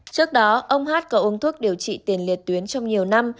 trước đó ông hát có uống thuốc điều trị tiền liệt tuyến trong nhiều năm